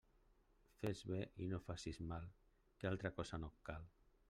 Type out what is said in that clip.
Fes bé i no facis mal, que altra cosa no et cal.